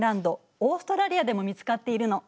オーストラリアでも見つかっているの。